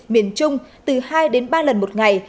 miền trung từ hai đến ba lần một ngày